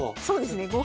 そうですね